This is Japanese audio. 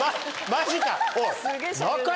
マジか？